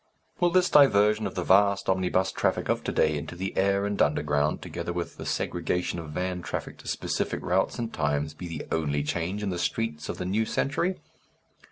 Will this diversion of the vast omnibus traffic of to day into the air and underground, together with the segregation of van traffic to specific routes and times, be the only change in the streets of the new century?